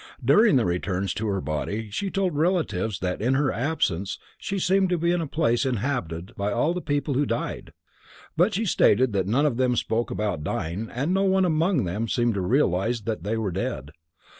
During the returns to her body she told relatives that in her absence she seemed to be in a place inhabited by all the people who died. But she stated that none of them spoke about dying and no one among them seemed to realize that they were dead.